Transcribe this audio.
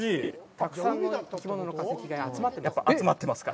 たくさんの生き物の化石が集まってますから。